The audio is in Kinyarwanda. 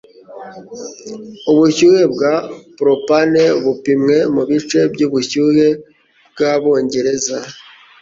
Ubushyuhe bwa propane bupimwe mubice byubushyuhe bwabongereza